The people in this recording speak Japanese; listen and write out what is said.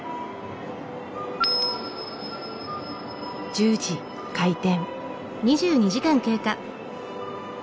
１０時開店。